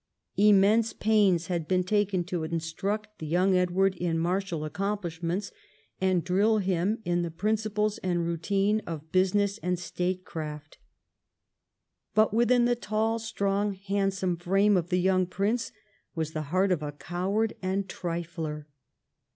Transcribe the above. Immense pains had been taken to instruct the young Edward in martial accom plishments, and drill him in the principles and routine of business and statecraft. But within the tall, strong, handsome frame of the young prince was the heart of a coward and trifler.